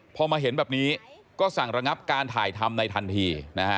พอมาเห็นแบบนี้ก็สั่งระงับการถ่ายทำในทันทีนะฮะ